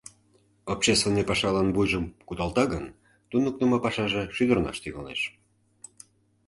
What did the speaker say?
— Общественный пашалан вуйжым кудалта гын, туныктымо пашаже шӱдырнаш тӱҥалеш.